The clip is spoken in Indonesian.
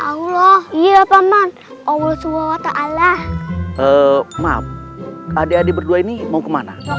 allah iya paman allah subhanahu wa ta'ala maaf adik adik berdua ini mau kemana